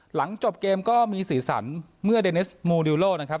หลังจบเกมก็มีสีสันเมื่อเดนิสมูดิวโลนะครับ